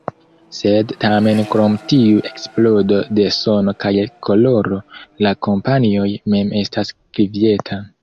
Sed tamen krom tiu eksplodo de sono kaj koloro, la kampanjoj mem estas kvieta.